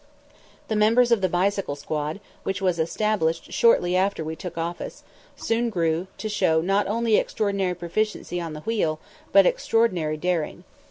The members of the bicycle squad, which was established shortly after we took office, soon grew to show not only extraordinary proficiency on the wheel, but extraordinary daring.